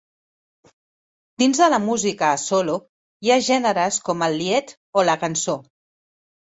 Dins de la música a solo hi ha gèneres com el Lied o la cançó.